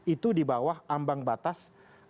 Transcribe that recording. itu di bawah ambang batas